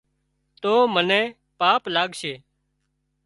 تو منين پاپ لاڳشي